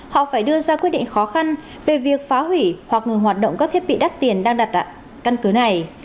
họ phải đưa ra quyết định khó khăn về việc phá hủy hoặc ngừng hoạt động các thiết bị đắt tiền đang đặt căn cứ này